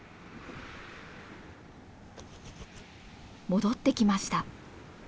戻ってきました。